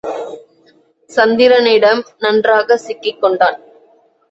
சந்திரனிடம் நன்றாக சிக்கிக் கொண்டான்.